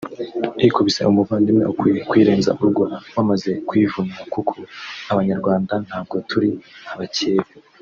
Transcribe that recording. ikubise umuvandimwe ukwiye kuyirenza urugo wamaze kuyivuna kuko Abanyarwanda ntabwo turi abakeba